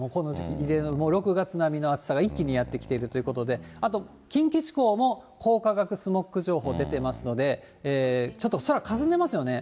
６月並みの暑さが一気にやって来ているということで、あと近畿地方も光化学スモッグ情報出てますので、ちょっと空がかすんでますよね、